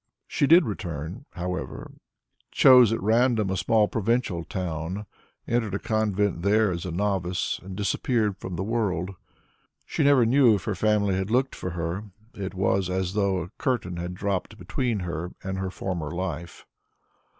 She did return, however, chose at random a small provincial town, entered a convent there as a novice, and disappeared from the world. She never knew if her family had looked for her; it was as though a curtain had dropped between her and her former life.